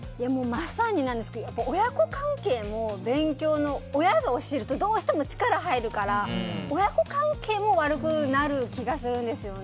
まさになんですけど親子関係も勉強を親が教えると、どうしても力が入るから、親子関係も悪くなる気がするんです。